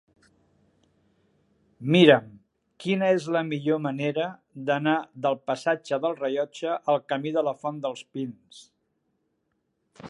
Mira'm quina és la millor manera d'anar del passatge del Rellotge al camí de la Font dels Pins.